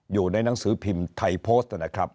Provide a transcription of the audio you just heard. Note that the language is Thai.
อยู่ในหนังสือพิมพ์ไทยโพสต์นะครับ